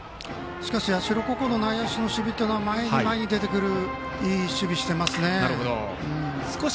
社高校の内野手の守備は前に前に出てくるいい守備していますね。